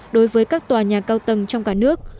đối với các tòa nhà cao tầng trong cả nước